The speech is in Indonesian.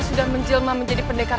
sudah menjelma menjadi pendekar